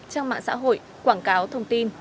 trang mạng xã hội quảng cáo thông tin